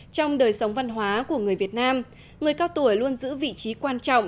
trong đời sống văn hóa của người việt nam người cao tuổi luôn giữ vị trí quan trọng